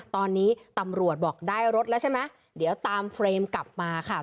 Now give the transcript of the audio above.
ตอนนี้ตำรวจบอกได้รถแล้วใช่ไหมเดี๋ยวตามเฟรมกลับมาค่ะ